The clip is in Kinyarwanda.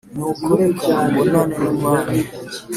Nuko reka mbonane n’umwami.